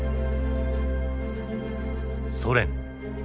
ソ連。